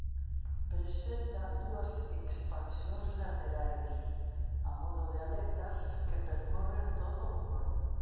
Presenta dúas expansións laterais a modo de aletas que percorren todo o corpo.